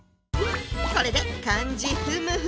これで漢字ふむふ。